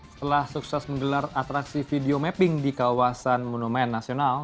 setelah sukses menggelar atraksi video mapping di kawasan monumen nasional